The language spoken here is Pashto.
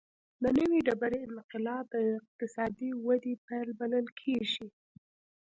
د نوې ډبرې انقلاب د اقتصادي ودې پیل بلل کېږي.